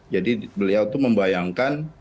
jadi beliau itu membayangkan